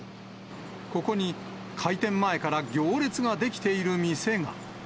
ここに、開店前から行列が出来ている店が。